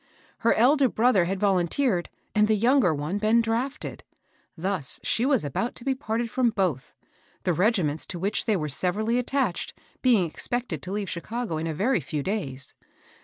Her elder brother had volunteered and the younger one been drafted ; thus she was about to be parted fipom both, the regiments to which they were sev erally attached being expected to leave Chicago in a very few days.